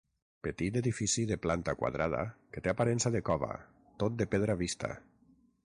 Petit edifici de planta quadrada que té aparença de cova, tot de pedra vista.